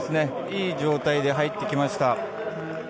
いい状態で入ってきました。